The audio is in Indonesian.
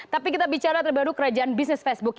tapi kita bicara terbaru kerajaan bisnis facebook